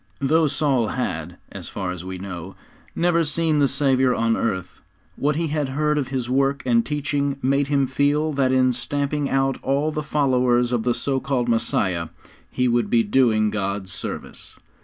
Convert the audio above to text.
Though Saul had, as far as we know, never seen the Saviour on earth, what he had heard of His work and teaching made him feel that in stamping out all the followers of the so called Messiah, he would be doing God service.